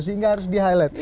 sehingga harus di highlight